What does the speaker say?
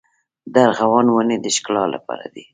د ارغوان ونې د ښکلا لپاره دي؟